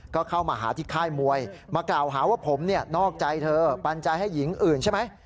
ก็เข้ามาหาที่ค่ายมวยมากล่าวหาว่าผมเนี่ยนอกใจเธอปัญญาให้หญิงอื่นใช่ไหม